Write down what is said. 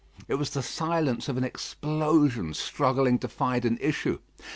It was the silence of an explosion struggling to find an issue.